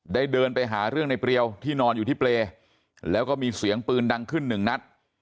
เดินไปหาเรื่องในเปรียวที่นอนอยู่ที่เปรย์แล้วก็มีเสียงปืนดังขึ้นหนึ่งนัด